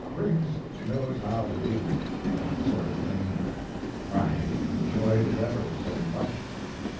Riggs knows how to do that sort of thing. I enjoyed it ever so much.